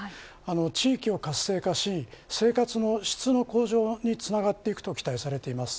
地域を活性化し生活の質の向上につながっていくと期待されています。